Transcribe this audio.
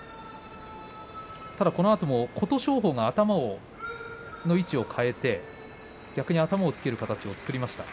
このあとも琴勝峰が頭の位置を変えて逆に頭をつける形を作りました。